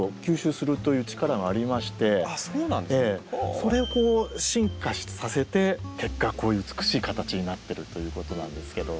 それを進化させて結果こういう美しい形になってるということなんですけども。